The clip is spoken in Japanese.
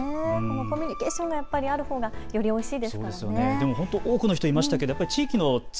コミュニケーションがやっぱりあるほうがよりおいしいですものね。